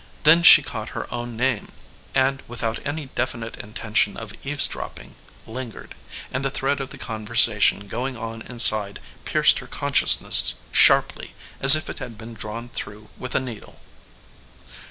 Then she caught her own name, and without any definite intention of eavesdropping lingered and the thread of the conversation going on inside pierced her consciousness sharply as if it had been drawn through with a needle.